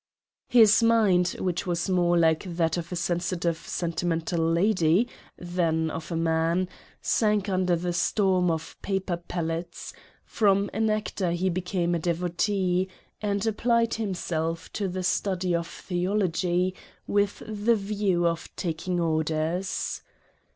His mind, which was more like that of a sensitive sentimental lady, than of a man, sank under the storm of paper pellets ; from an actor he became a devotee, and applied himself to the study of theology with the view to taking orders.